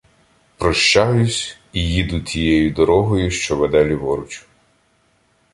Прощаюсь і їду тією дорогою, що веде ліворуч.